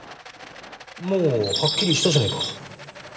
もうはっきりしたじゃねえか。